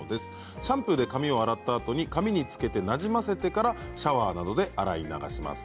シャンプーで髪を洗ったあとに髪につけてなじませてからシャワーなどで洗い流します。